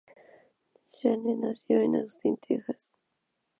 Shane nació en Austin, Texas.